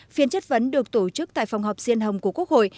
phiên chất vấn được tổ chức tại phòng họp diên hồng của quốc hội